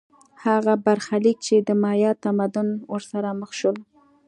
هغه برخلیک چې د مایا تمدن ورسره مخ شول